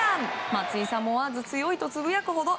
松井さんも思わず強いとつぶやくほど。